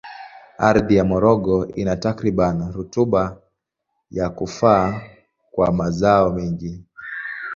Ardhi ya Morogoro ina takribani rutuba ya kufaa kwa mazao mengi.